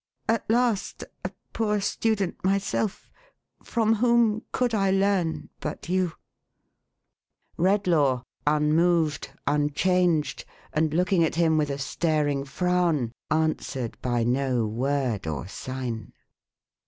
At last, a poor student myself, from whom could I learn but you ?"* Redlaw, unmoved, unchanged, and looking at him with a staring frown, answered by no word or sign.